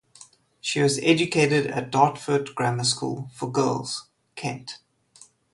She was educated at Dartford Grammar School for Girls, Kent.